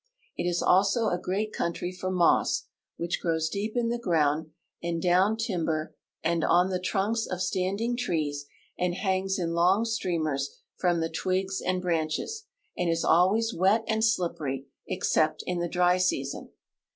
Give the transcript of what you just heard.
It is also a great coun try for moss, which grows deep on the ground and down timl:)er and on the trunks of standing trees and hangs in long streamers from the twigs and branches, and is always wet and slipper}^ ex cept in the dry season.